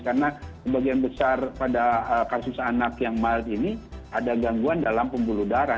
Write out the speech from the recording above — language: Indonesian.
karena sebagian besar pada kasus anak yang mild ini ada gangguan dalam pembuluh darah